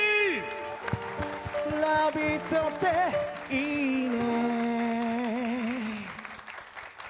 「ラヴィット！」って、いいね。